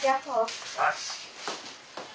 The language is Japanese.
よし。